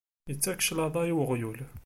Yettak cclaḍa i uɣyul.